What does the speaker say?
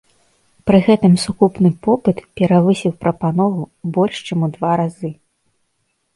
Пры гэтым сукупны попыт перавысіў прапанову больш чым у два разы.